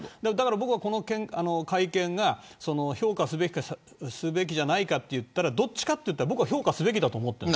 この会見が評価すべきかすべきじゃないかといったらどっちかといったら評価すべきだと思っている。